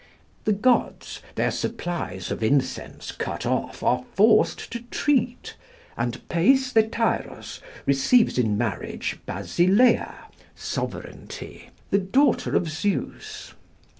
The gods, their supplies of incense cut off, are forced to treat, and Peisthetærus receives in marriage Basileia (Sovereignty), the daughter of Zeus.